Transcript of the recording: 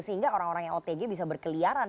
sehingga orang orang yang otg bisa berkeliaran